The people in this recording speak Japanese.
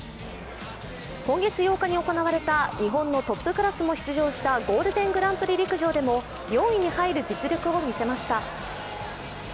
今月８日に行われた日本のトップクラスも出場したゴールデングランプリ陸上でも４位に入る実力を見せました。